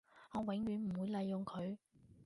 我永遠唔會利用佢